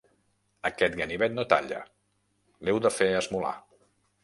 Aquest ganivet no talla: l'heu de fer esmolar.